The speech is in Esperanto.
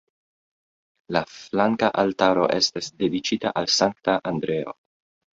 La flanka altaro estas dediĉita al Sankta Andreo.